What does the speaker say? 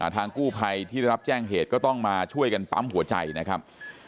ทางกู้ภัยที่ได้รับแจ้งเหตุก็ต้องมาช่วยกันปั๊มหัวใจนะครับ